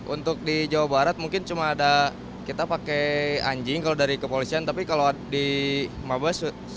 untuk di jawa barat mungkin cuma ada kita pakai anjing kalau dari kepolisian tapi kalau di mabes